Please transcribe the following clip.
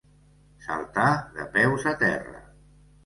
Saltar de peus a terra.